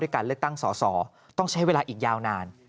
การเลือกตั้งสอสอต้องใช้เวลาอีกยาวนาน